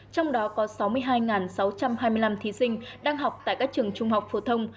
trong đó có sáu mươi hai sáu trăm hai mươi năm thí sinh đang học tại các trường trung học phổ thông